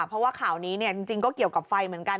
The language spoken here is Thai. เพราะว่าข่าวนี้จริงก็เกี่ยวกับไฟเหมือนกัน